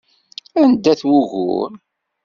Anda-t wugur?